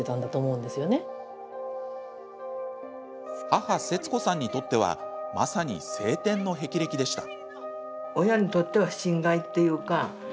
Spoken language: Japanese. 母、節子さんにとってはまさに青天のへきれきでした。